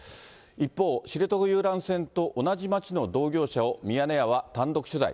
一方、知床遊覧船と同じ町の同業者をミヤネ屋は単独取材。